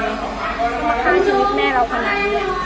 มาฆ่าชีวิตแม่เราขนาดนี้